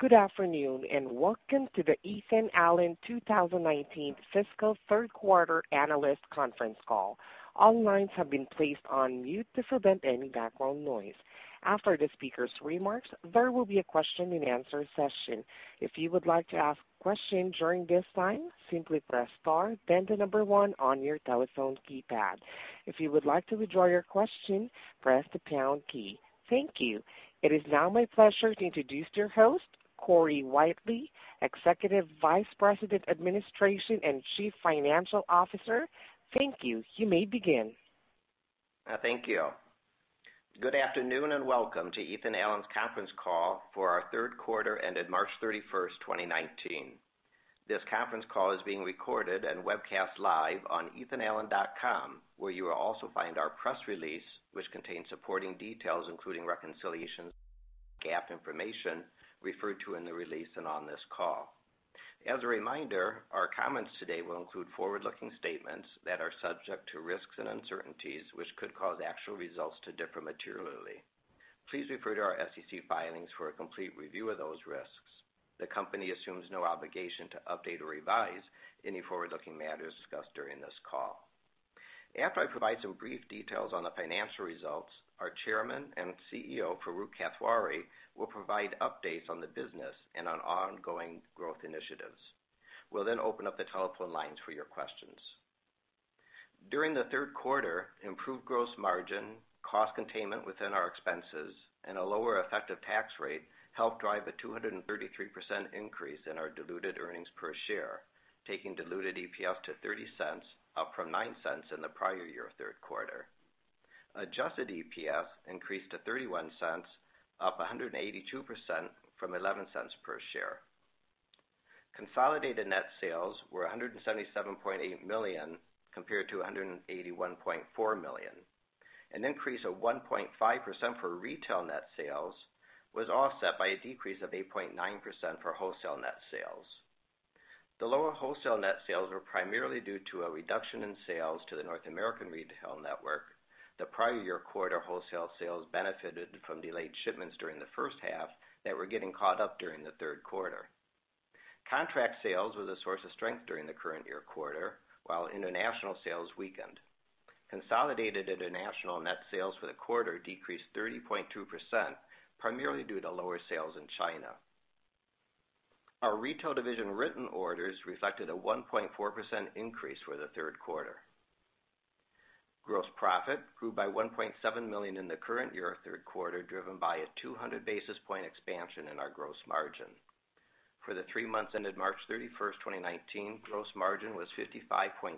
Good afternoon, and welcome to the Ethan Allen 2019 Fiscal Third Quarter Analyst Conference Call. All lines have been placed on mute to prevent any background noise. After the speaker's remarks, there will be a question and answer session. If you would like to ask questions during this time, simply press star then one on your telephone keypad. If you would like to withdraw your question, press the pound key. Thank you. It is now my pleasure to introduce your host, Corey Whitely, Executive Vice President, Administration and Chief Financial Officer. Thank you. You may begin. Thank you. Good afternoon, and welcome to Ethan Allen's Conference Call for our Third Quarter ended March 31st, 2019. This conference call is being recorded and webcast live on ethanallen.com, where you will also find our press release which contains supporting details, including reconciliations, GAAP information referred to in the release and on this call. As a reminder, our comments today will include forward-looking statements that are subject to risks and uncertainties, which could cause actual results to differ materially. Please refer to our SEC filings for a complete review of those risks. The company assumes no obligation to update or revise any forward-looking matters discussed during this call. After I provide some brief details on the financial results, our Chairman and CEO, Farooq Kathwari, will provide updates on the business and on ongoing growth initiatives. We will open up the telephone lines for your questions. During the third quarter, improved gross margin, cost containment within our expenses, and a lower effective tax rate helped drive a 233% increase in our diluted earnings per share, taking diluted EPS to $0.30, up from 0.09 in the prior year third quarter. Adjusted EPS increased to $0.31, up 182% from 0.11 per share. Consolidated net sales were $177.8 million, compared to $181.4 million. An increase of 1.5% for retail net sales was offset by a decrease of 8.9% for wholesale net sales. The lower wholesale net sales were primarily due to a reduction in sales to the North American retail network. The prior year quarter wholesale sales benefited from delayed shipments during the first half that were getting caught up during the third quarter. Contract sales were the source of strength during the current year quarter, while international sales weakened. Consolidated international net sales for the quarter decreased 30.2%, primarily due to lower sales in China. Our retail division written orders reflected a 1.4% increase for the third quarter. Gross profit grew by $1.7 million in the current year third quarter, driven by a 200-basis point expansion in our gross margin. For the three months ended March 31st, 2019, gross margin was 55.3%,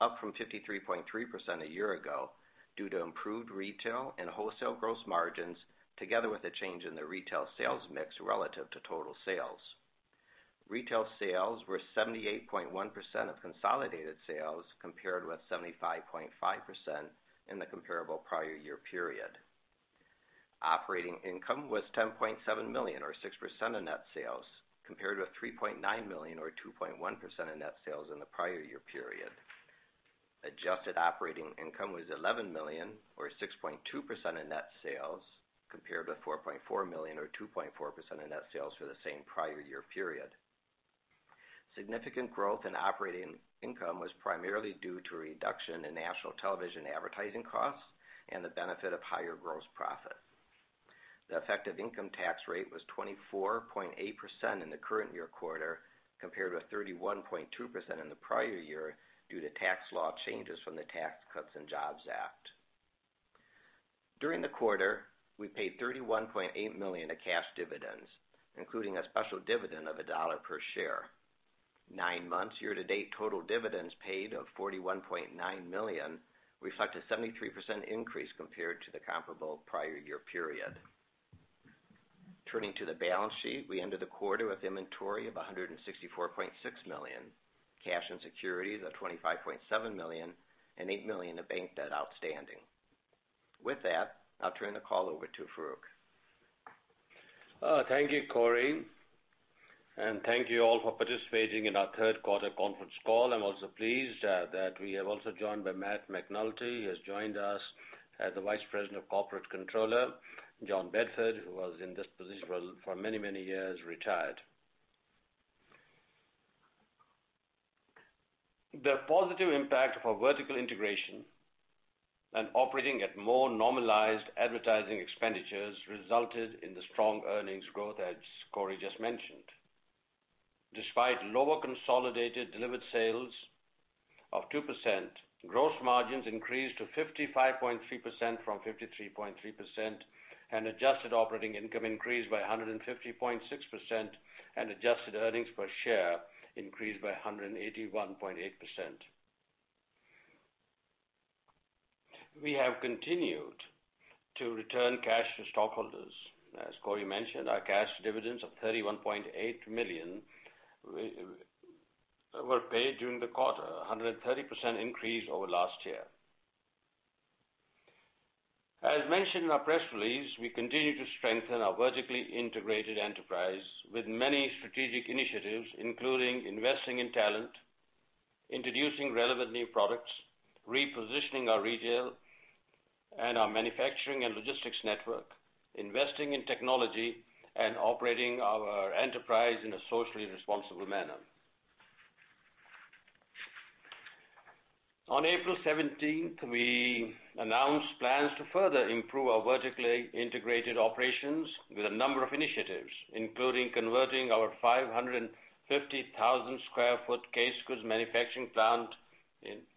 up from 53.3% a year ago, due to improved retail and wholesale gross margins, together with a change in the retail sales mix relative to total sales. Retail sales were 78.1% of consolidated sales, compared with 75.5% in the comparable prior year period. Operating income was $10.7 million or 6% of net sales, compared with $3.9 million or 2.1% of net sales in the prior year period. Adjusted operating income was $11 million or 6.2% of net sales, compared with $4.4 million or 2.4% of net sales for the same prior year period. Significant growth in operating income was primarily due to a reduction in national television advertising costs and the benefit of higher gross profit. The effective income tax rate was 24.8% in the current year quarter, compared with 31.2% in the prior year, due to tax law changes from the Tax Cuts and Jobs Act. During the quarter, we paid $31.8 million of cash dividends, including a special dividend of $1 per share. Nine months year-to-date, total dividends paid of $41.9 million reflect a 73% increase compared to the comparable prior year period. Turning to the balance sheet, we ended the quarter with inventory of $164.6 million, cash and securities of $25.7 million, and 8 million of bank debt outstanding. With that, I'll turn the call over to Farooq. Thank you, Corey, and thank you all for participating in our third quarter conference call. I'm also pleased that we are also joined by Matt McNulty, who has joined us as the Vice President of Corporate Controller. John Bedford, who was in this position for many, many years, retired. The positive impact of our vertical integration and operating at more normalized advertising expenditures resulted in the strong earnings growth, as Corey just mentioned. Despite lower consolidated delivered sales of 2%, gross margins increased to 55.3% from 53.3%. Adjusted operating income increased by 150.6%, and adjusted earnings per share increased by 181.8%. We have continued to return cash to stockholders. As Corey mentioned, our cash dividends of $31.8 million were paid during the quarter, 130% increase over last year. As mentioned in our press release, we continue to strengthen our vertically integrated enterprise with many strategic initiatives, including investing in talent, introducing relevant new products, repositioning our retail and our manufacturing and logistics network, investing in technology, and operating our enterprise in a socially responsible manner. On April 17th, we announced plans to further improve our vertically integrated operations with a number of initiatives, including converting our 550,000 sq ft case goods manufacturing plant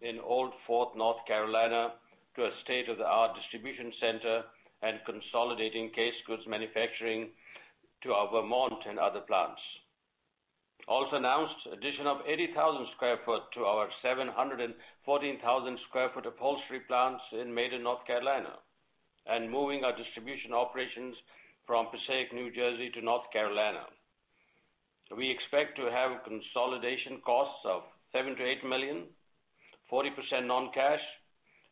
in Old Fort, North Carolina, to a state-of-the-art distribution center and consolidating case goods manufacturing to our Vermont and other plants. Also announced addition of 80,000 sq ft to our 714,000 sq ft upholstery plants in Maiden, North Carolina, and moving our distribution operations from Passaic, New Jersey to North Carolina. We expect to have consolidation costs of $7 million-8 million, 40%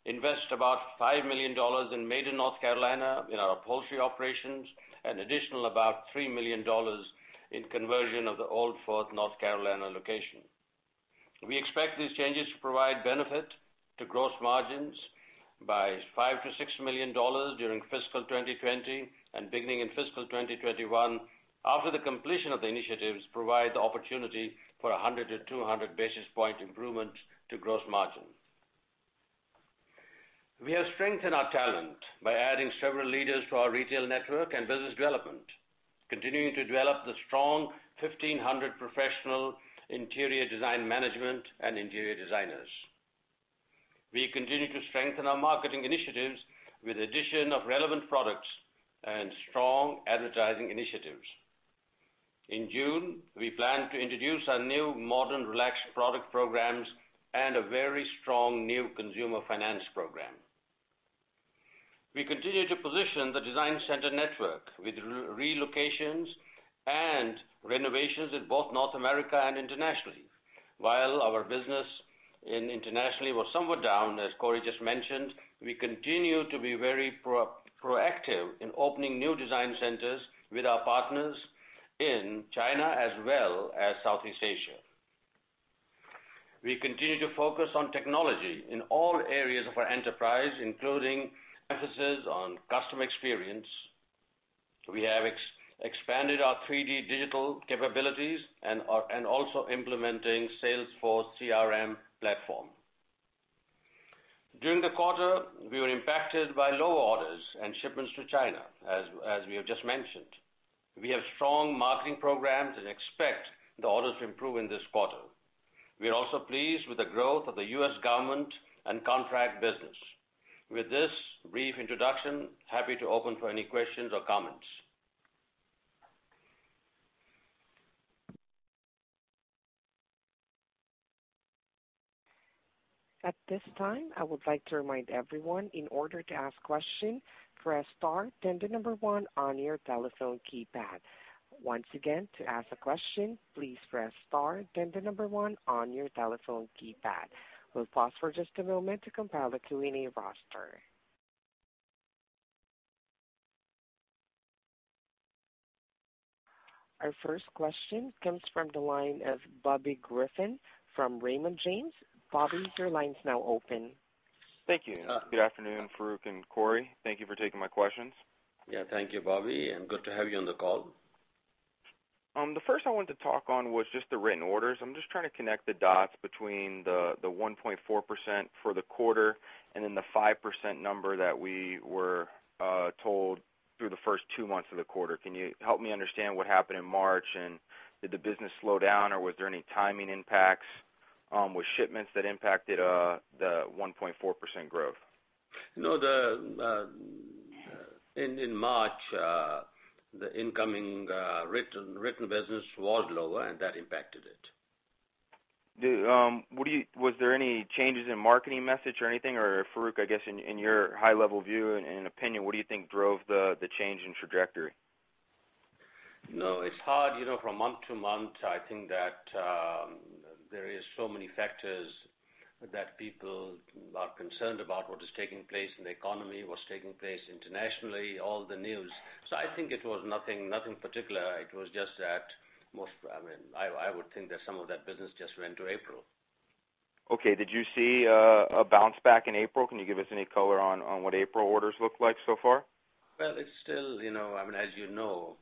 non-cash, invest about $5 million in Maiden, North Carolina in our upholstery operations, an additional about $3 million in conversion of the Old Fort, North Carolina location. We expect these changes to provide benefit to gross margins by $5 million-6 million during fiscal 2020, and beginning in fiscal 2021, after the completion of the initiatives, provide the opportunity for 100 basis point to 200 basis point improvements to gross margin. We have strengthened our talent by adding several leaders to our retail network and business development, continuing to develop the strong 1,500 professional interior design management and interior designers. We continue to strengthen our marketing initiatives with addition of relevant products and strong advertising initiatives. In June, we plan to introduce our new modern relaxed product programs and a very strong new consumer finance program. We continue to position the design center network with relocations and renovations in both North America and internationally, while our business internationally was somewhat down, as Corey just mentioned, we continue to be very proactive in opening new design centers with our partners in China as well as Southeast Asia. We continue to focus on technology in all areas of our enterprise, including emphasis on customer experience. We have expanded our 3D digital capabilities and also implementing Salesforce CRM platform. During the quarter, we were impacted by low orders and shipments to China, as we have just mentioned. We have strong marketing programs and expect the orders to improve in this quarter. We are also pleased with the growth of the U.S. government and contract business. With this brief introduction, happy to open for any questions or comments. At this time, I would like to remind everyone, in order to ask question, press star, then the number one on your telephone keypad. Once again, to ask a question, please press star, then the number one on your telephone keypad. We'll pause for just a moment to compile the Q&A roster. Our first question comes from the line of Bobby Griffin from Raymond James. Bobby, your line's now open. Thank you. Good afternoon, Farooq and Corey. Thank you for taking my questions. Yeah, thank you, Bobby. Good to have you on the call. The first I wanted to talk on was just the written orders. I am just trying to connect the dots between the 1.4% for the quarter and then the 5% number that we were told through the first two months of the quarter. Can you help me understand what happened in March? And did the business slow down, or was there any timing impacts with shipments that impacted the 1.4% growth? No. In March, the incoming written business was lower. That impacted it. Was there any changes in marketing message or anything? Farooq, I guess in your high level view and opinion, what do you think drove the change in trajectory? No, it's hard from month-to-month. I think that there is so many factors that people are concerned about what is taking place in the economy, what's taking place internationally, all the news. I think it was nothing particular. I would think that some of that business just went to April. Okay. Did you see a bounce back in April? Can you give us any color on what April orders look like so far? Well, still, you know, as you know,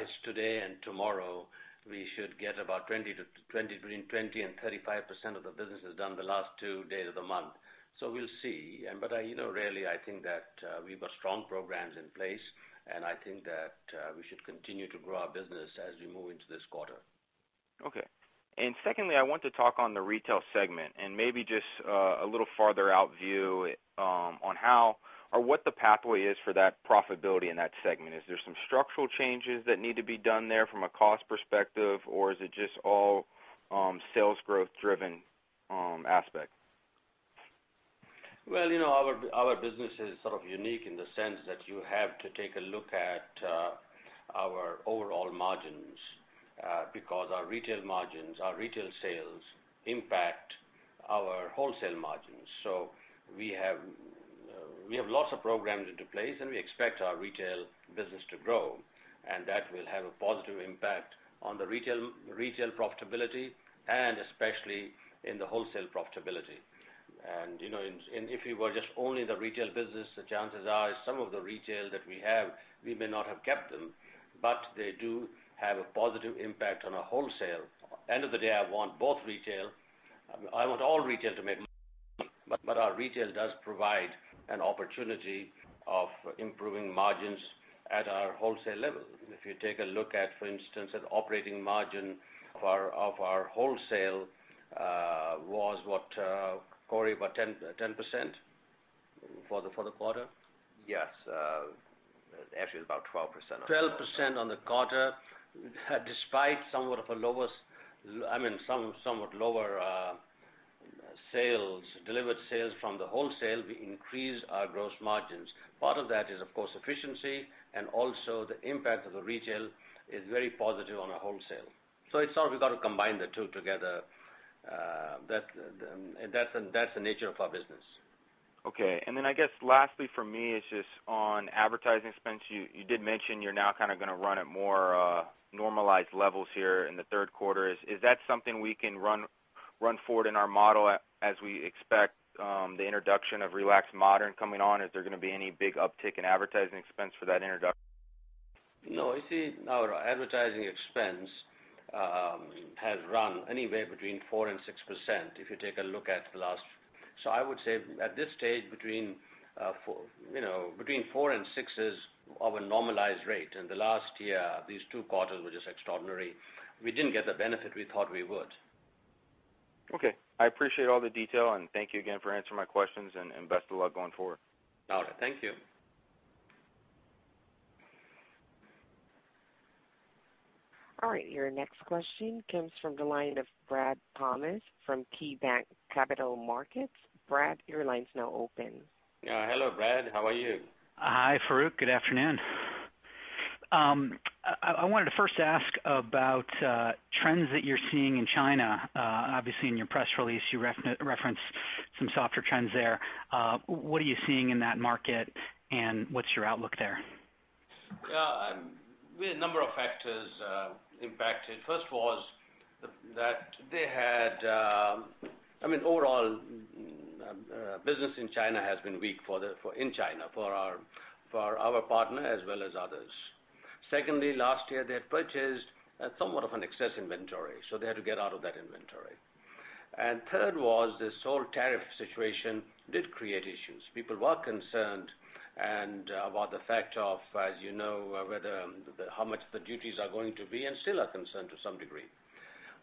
it's today and tomorrow, we should get about between 20% and 35% of the business is done the last two days of the month. We'll see. Really, I think that we've got strong programs in place, and I think that we should continue to grow our business as we move into this quarter. Okay. Secondly, I want to talk on the retail segment, and maybe just a little farther out view on how or what the pathway is for that profitability in that segment. Is there some structural changes that need to be done there from a cost perspective, or is it just all sales growth driven aspect? Well, you know, our business is sort of unique in the sense that you have to take a look at our overall margins, because our retail margins, our retail sales impact our wholesale margins. We have lots of programs into place, and we expect our retail business to grow, and that will have a positive impact on the retail profitability, and especially in the wholesale profitability. If it were just only the retail business, the chances are some of the retail that we have, we may not have kept them, but they do have a positive impact on our wholesale. End of the day, I want both retail. I want all retail to make money, but our retail does provide an opportunity of improving margins at our wholesale level. If you take a look at, for instance, at operating margin of our wholesale, was what, Corey, about 10% for the quarter? Yes. Actually, it was about 12%. 12% on the quarter, despite somewhat lower sales, delivered sales from the wholesale, we increased our gross margins. Part of that is, of course, efficiency, and also the impact of the retail is very positive on our wholesale. We've got to combine the two together. That's the nature of our business. Okay. I guess lastly from me is just on advertising expense. You did mention you're now going to run at more normalized levels here in the third quarter. Is that something we can run forward in our model as we expect the introduction of Relax Modern coming on? Is there going to be any big uptick in advertising expense for that introduction? No. You see, our advertising expense has run anywhere between 4% and 6%. I would say at this stage, between 4% and 6% is our normalized rate. In the last year, these two quarters were just extraordinary. We didn't get the benefit we thought we would. Okay. I appreciate all the detail, and thank you again for answering my questions, and best of luck going forward. All right. Thank you. All right. Your next question comes from the line of Brad Thomas from KeyBanc Capital Markets. Brad, your line's now open. Hello, Brad. How are you? Hi, Farooq. Good afternoon. I wanted to first ask about trends that you're seeing in China. Obviously, in your press release, you referenced some softer trends there. What are you seeing in that market, and what's your outlook there? A number of factors impacted. First was-- that they had.. I mean Overall, business in China has been weak, in China, for our partner as well as others. Secondly, last year, they had purchased somewhat of an excess inventory, so they had to get out of that inventory. Third was this whole tariff situation did create issues. People were concerned about the fact of, as you know, how much the duties are going to be, and still are concerned to some degree.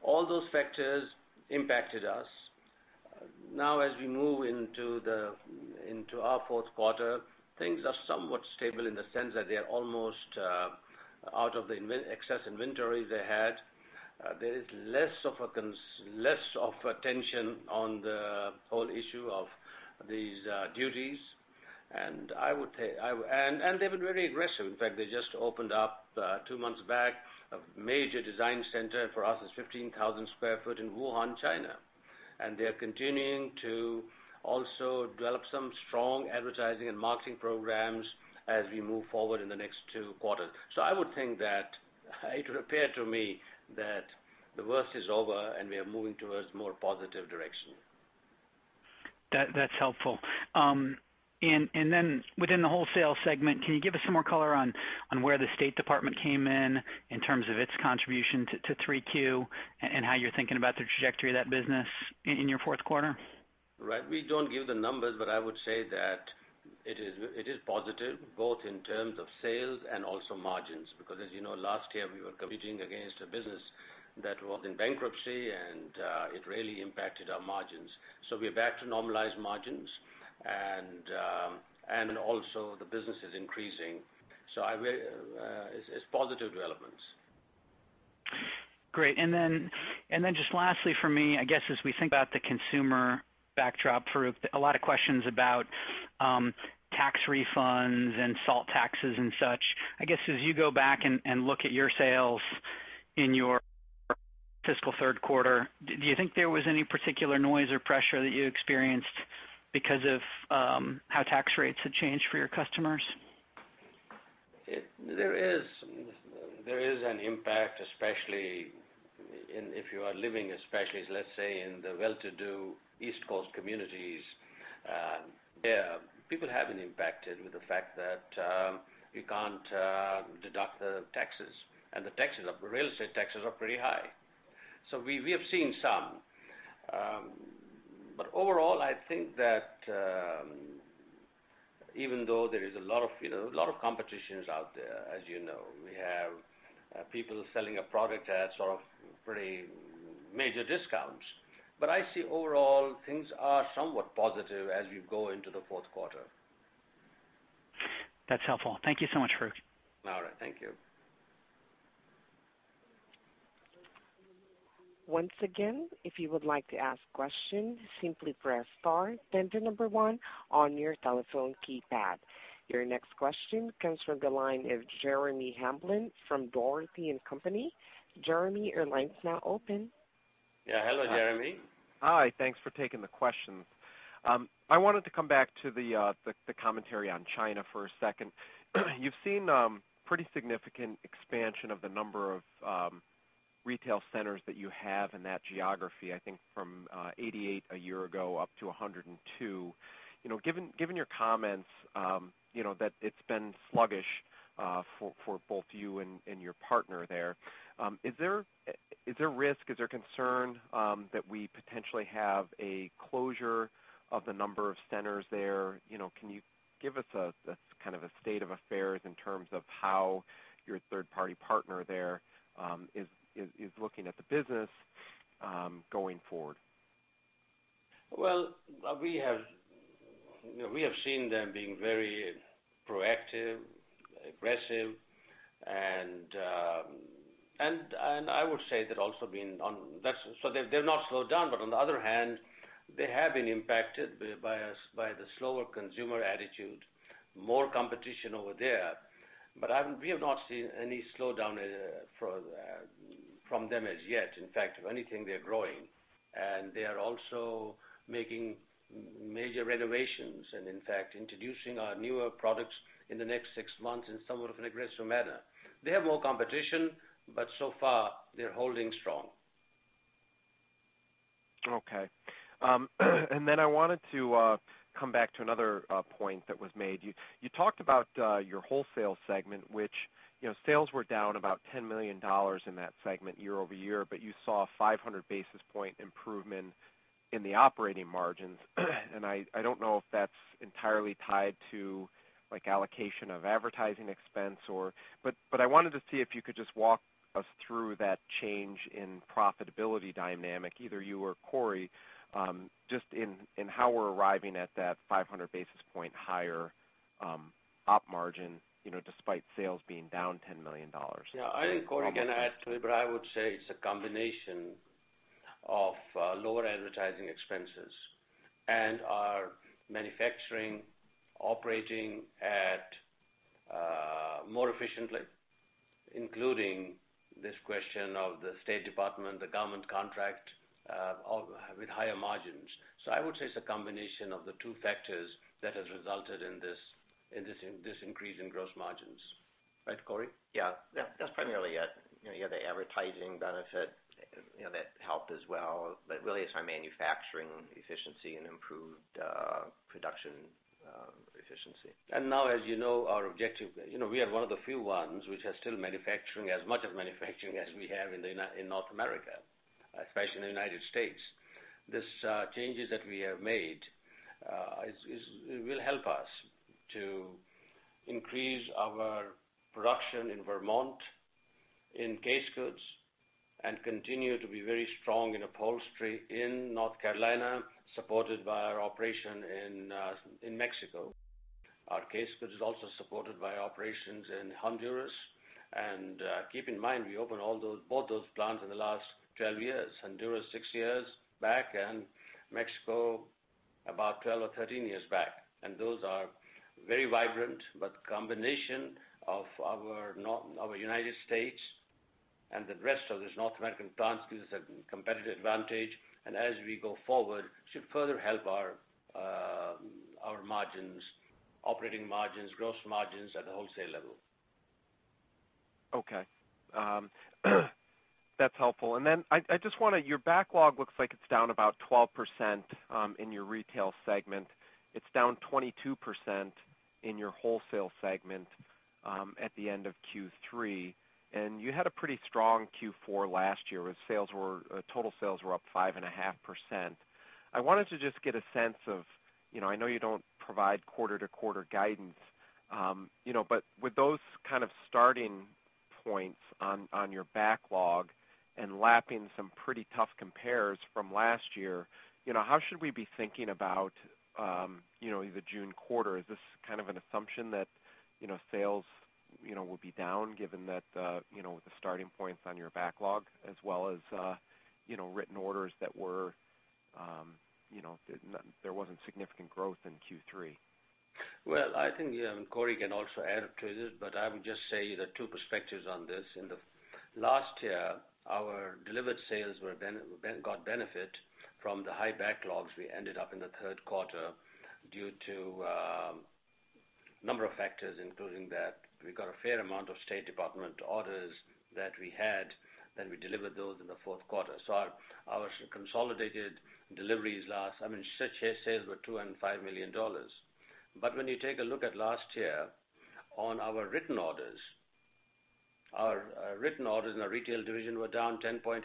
All those factors impacted us. Now as we move into our fourth quarter, things are somewhat stable in the sense that they're almost out of the excess inventory they had. There is less of a tension on the whole issue of these duties. They've been very aggressive. In fact, they just opened up, two months back, a major design center for us. It's 15,000 sq ft in Wuhan, China. They're continuing to also develop some strong advertising and marketing programs as we move forward in the next two quarters. I would think that it would appear to me that the worst is over, and we are moving towards more positive direction. That-- that's helpful. Within the wholesale segment, can you give us some more color on where the State Department came in terms of its contribution to 3Q, and how you're thinking about the trajectory of that business in your fourth quarter? Right. We don't give the numbers, I would say that it is positive, both in terms of sales and also margins. As you know, last year, we were competing against a business that was in bankruptcy, and it really impacted our margins. We're back to normalized margins, and also the business is increasing. It's positive developments. Great. Just lastly from me, I guess as we think about the consumer backdrop, Farooq, a lot of questions about tax refunds and SALT taxes and such. I guess as you go back and look at your sales in your fiscal third quarter, do you think there was any particular noise or pressure that you experienced because of how tax rates have changed for your customers? There is.. There is an impact, especially if you are living, let's say, in the well-to-do East Coast communities. There, people have been impacted with the fact that you can't deduct the taxes, and the real estate taxes are pretty high. We have seen some. Overall, I think that even though there is a lot of competitions out there, as you know. We have people selling a product at sort of pretty major discounts. I see overall, things are somewhat positive as we go into the fourth quarter. That's helpful. Thank you so much, Farooq. All right. Thank you. Once again, if you would like to ask questions, simply press star, then number one on your telephone keypad. Your next question comes from the line of Jeremy Hamblin from Dougherty & Company. Jeremy, your line's now open. Yeah. Hello, Jeremy. Hi. Thanks for taking the questions. I wanted to come back to the commentary on China for a second. You've seen pretty significant expansion of the number of retail centers that you have in that geography, I think from 88 a year ago, up to 102. Given your comments, that it's been sluggish for both you and your partner there, is there risk, is there concern that we potentially have a closure of the number of centers there? Can you give us a state of affairs in terms of how your third-party partner there is looking at the business going forward? Well, we have seen them being very proactive, aggressive, and I would say they've also been. They've not slowed down, but on the other hand, they have been impacted by the slower consumer attitude, more competition over there. We have not seen any slowdown from them as yet. In fact, if anything, they're growing, and they are also making major renovations and, in fact, introducing our newer products in the next six months in somewhat of an aggressive manner. They have more competition, but so far, they're holding strong. Okay. I wanted to come back to another point that was made. You talked about your wholesale segment, which sales were down about $10 million in that segment year-over-year, but you saw a 500 basis point improvement in the operating margins. I don't know if that's entirely tied to allocation of advertising expense or I wanted to see if you could just walk us through that change in profitability dynamic, either you or Corey, just in how we're arriving at that 500 basis point higher op margin despite sales being down $10 million. Yeah. I think Corey can add to it, but I would say it's a combination of lower advertising expenses and our manufacturing operating at more efficiently, including this question of the State Department, the government contract with higher margins. I would say it's a combination of the two factors that has resulted in this increase in gross margins. Right, Corey? Yeah. That's primarily it. You had the advertising benefit that helped as well, but really it's our manufacturing efficiency and improved production efficiency. Now, as you know, our objective, we are one of the few ones which are still manufacturing as much as manufacturing as we have in North America, especially in the United States. These changes that we have made will help us to increase our production in Vermont in case goods and continue to be very strong in upholstery in North Carolina, supported by our operation in Mexico. Our case goods is also supported by operations in Honduras. Keep in mind, we opened both those plants in the last 12 years, Honduras six years back, and Mexico about 12 or 13 years back. Those are very vibrant, but combination of our United States and the rest of these North American plants gives us a competitive advantage, and as we go forward, should further help our margins, operating margins, gross margins at the wholesale level. Okay. That's helpful. Your backlog looks like it's down about 12% in your retail segment. It's down 22% in your wholesale segment at the end of Q3. You had a pretty strong Q4 last year with total sales were up 5.5%. I wanted to just get a sense of, I know you don't provide quarter-to-quarter guidance, but with those kind of starting points on your backlog and lapping some pretty tough compares from last year, how should we be thinking about the June quarter? Is this kind of an assumption that sales will be down given that the starting points on your backlog as well as written orders that there wasn't significant growth in Q3? Well, I think, Corey can also add to it, but I would just say there are two perspectives on this. In the last year, our delivered sales got benefit from the high backlogs we ended up in the third quarter due to a number of factors, including that we got a fair amount of State Department orders that we had, then we delivered those in the fourth quarter. Our consolidated deliveries last, I mean, shipped sales were $205 million. But when you take a look at last year on our written orders, our written orders in our retail division were down 10.8%.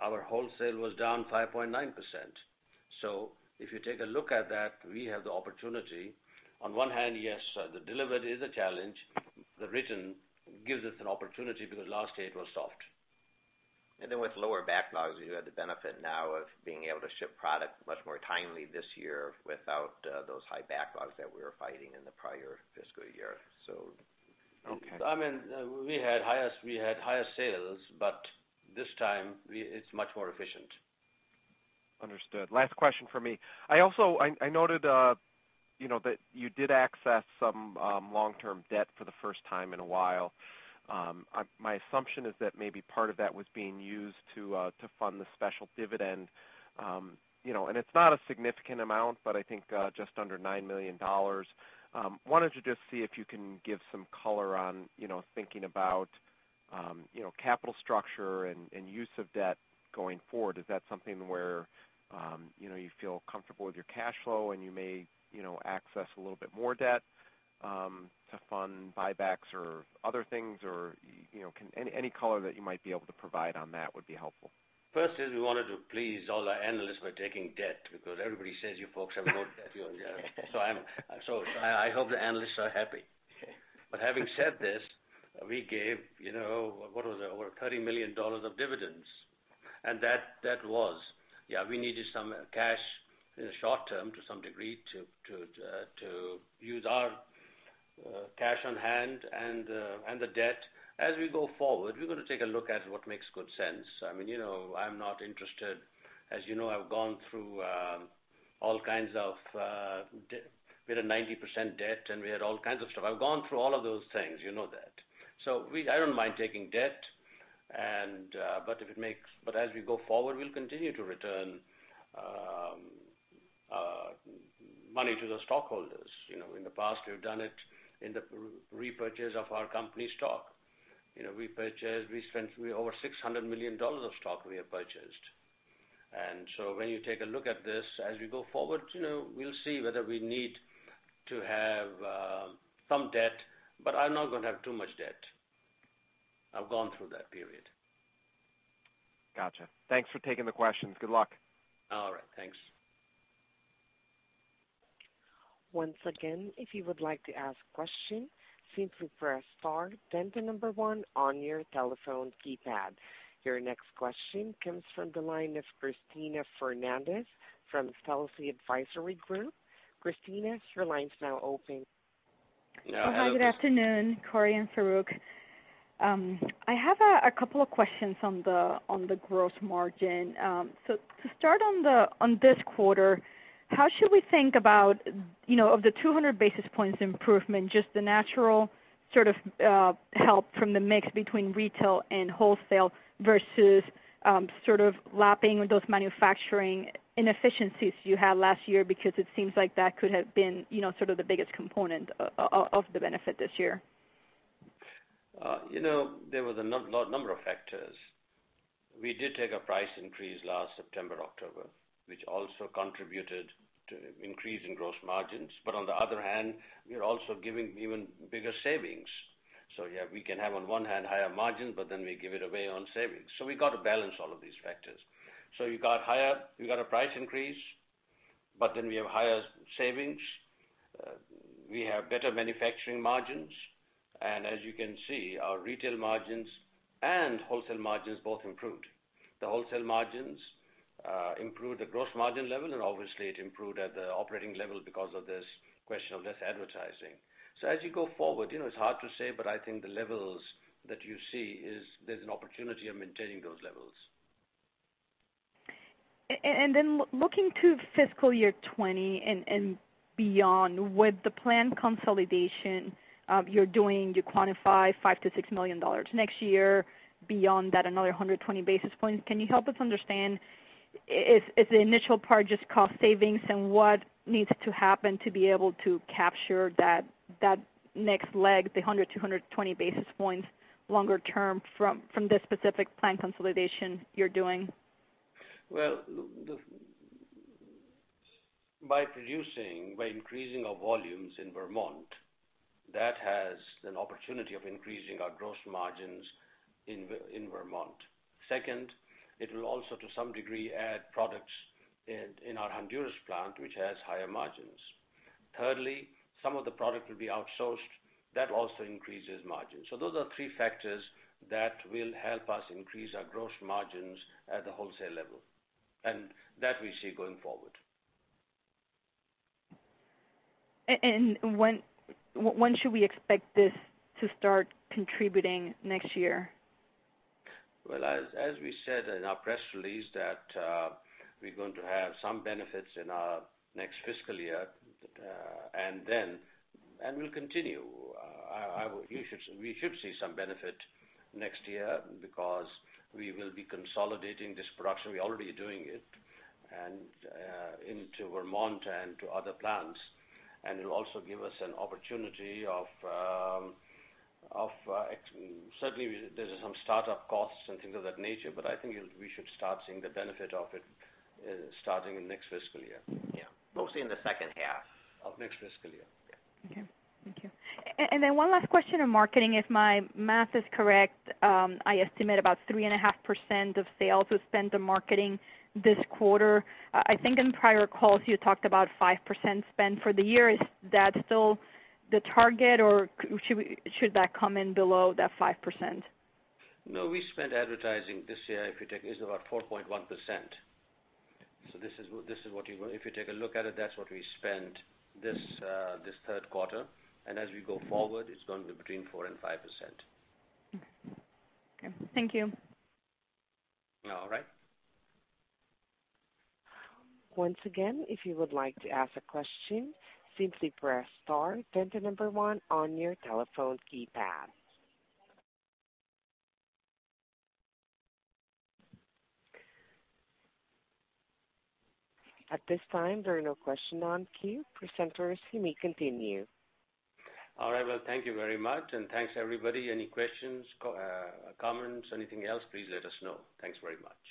Our wholesale was down 5.9%. If you take a look at that, we have the opportunity. On one hand, yes, the delivery is a challenge. The written gives us an opportunity because last year it was soft. With lower backlogs, we have the benefit now of being able to ship product much more timely this year without those high backlogs that we were fighting in the prior fiscal year. Okay. I mean, we had higher sales, this time it's much more efficient. Understood. Last question from me. I noted that you did access some long-term debt for the first time in a while. My assumption is that maybe part of that was being used to fund the special dividend. It's not a significant amount, but I think just under $9 million. Wanted to just see if you can give some color on thinking about capital structure and use of debt going forward. Is that something where you feel comfortable with your cash flow, and you may access a little bit more debt to fund buybacks or other things? Any color that you might be able to provide on that would be helpful. First is we wanted to please all our analysts by taking debt, because everybody says you folks have no debt. I hope the analysts are happy. Having said this, we gave, you know, what was it? Over $30 million of dividends. That was, we needed some cash in the short term to some degree to use our cash on hand and the debt. As we go forward, we're going to take a look at what makes good sense. I'm not interested, as you know, I've gone through all kinds of, we had a 90% debt, and we had all kinds of stuff. I've gone through all of those things, you know that. I don't mind taking debt. As we go forward, we'll continue to return money to the stockholders. In the past, we've done it in the repurchase of our company stock. We spent over $600 million of stock we have purchased. And so when you take a look at this, as we go forward, we'll see whether we need to have some debt. I'm not going to have too much debt. I've gone through that period. Got you. Thanks for taking the questions. Good luck. All right. Thanks. Once again, if you would like to ask question, simply press star, then the number one on your telephone keypad. Your next question comes from the line of Cristina Fernández from Telsey Advisory Group. Cristina, your line's now open. Good afternoon, Corey and Farooq. I have a couple of questions on the gross margin. To start on this quarter, how should we think about, of the 200 basis points improvement, just the natural sort of help from the mix between retail and wholesale versus sort of lapping those manufacturing inefficiencies you had last year, because it seems like that could have been sort of the biggest component of the benefit this year. There was a number of factors. We did take a price increase last September, October, which also contributed to increase in gross margins. On the other hand, we are also giving even bigger savings. Yeah, we can have on one hand higher margin, but then we give it away on savings. We got to balance all of these factors. You got higher, we got a price increase, but then we have higher savings. We have better manufacturing margins. As you can see, our retail margins and wholesale margins both improved. The wholesale margins improved the gross margin level, and obviously it improved at the operating level because of this question of less advertising. As you go forward, it's hard to say, but I think the levels that you see is there's an opportunity of maintaining those levels. Then looking to fiscal year 2020 and beyond, with the planned consolidation you're doing, you quantify $5 million-6 million next year. Beyond that, another 120 basis points. Can you help us understand, is the initial part just cost savings, and what needs to happen to be able to capture that next leg, the 100 basis points to 120 basis points longer term from this specific plan consolidation you're doing? Well, by producing, by increasing our volumes in Vermont, that has an opportunity of increasing our gross margins in Vermont. Second, it will also, to some degree, add products in our Honduras plant, which has higher margins. Thirdly, some of the product will be outsourced. That also increases margins. Those are three factors that will help us increase our gross margins at the wholesale level. That we see going forward. When should we expect this to start contributing next year? Well, as we said in our press release, that we're going to have some benefits in our next fiscal year, and we'll continue. We should see some benefit next year because we will be consolidating this production. We're already doing it, into Vermont and to other plants. It'll also give us an opportunity of Certainly, there's some startup costs and things of that nature, but I think we should start seeing the benefit of it starting in next fiscal year. Yeah. Mostly in the second half. Of next fiscal year. Yeah. Okay. Thank you. One last question on marketing. If my math is correct, I estimate about 3.5% of sales were spent on marketing this quarter. I think in prior calls you talked about 5% spend for the year. Is that still the target, or should that come in below that 5%? No, we spent advertising this year, if you take, is about 4.1%. If you take a look at it, that's what we spent this third quarter. As we go forward, it's going to be between 4% and 5%. Okay. Thank you. All right. Once again, if you would like to ask a question, simply press star, then the number one on your telephone keypad. At this time, there are no question on queue. Presenters, you may continue. All right. Well, thank you very much, and thanks everybody. Any questions, comments, anything else, please let us know. Thanks very much.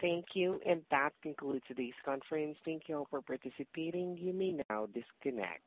Thank you. That concludes today's conference. Thank you all for participating. You may now disconnect.